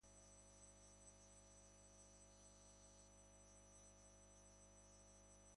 Baina aldi berria hasteko ilusio ametsez beteta daude.